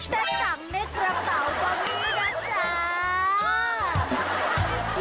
แต่สั่งในกระเป๋าก็มีนะจ๊ะ